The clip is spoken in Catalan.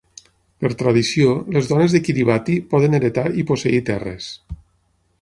Per tradició, les dones de Kiribati poden heretar i posseir terres.